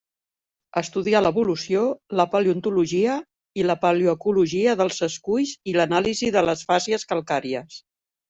Estudià l'evolució, la paleontologia i la paleoecologia dels esculls i l'anàlisi de les fàcies calcàries.